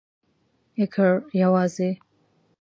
یکړ...یوازی ..